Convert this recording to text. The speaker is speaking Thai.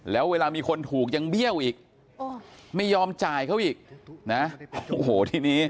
แล้วเวลามีคนถูกยังเบี้ยวอีกไม่ยอมจ่ายเขาอีกนะโอ้โหทีนี้